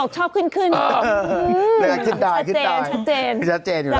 ชัดเจน